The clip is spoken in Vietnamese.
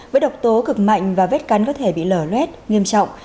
với độc tố cực mạnh và vết cắn có thể bị lở lét nghiêm trọng